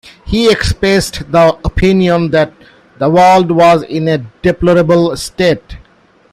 He expressed the opinion that the world was in a deplorable state.